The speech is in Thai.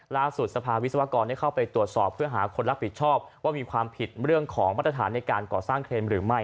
สภาวิศวกรได้เข้าไปตรวจสอบเพื่อหาคนรับผิดชอบว่ามีความผิดเรื่องของมาตรฐานในการก่อสร้างเครมหรือไม่